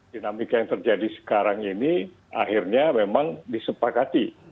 dinamika yang terjadi sekarang ini akhirnya memang disepakati